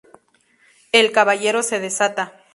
El caballero se desata.